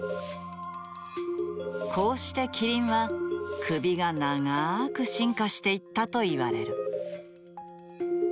こうしてキリンは首が長く進化していったといわれる。